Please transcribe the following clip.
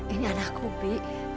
ini anakku bi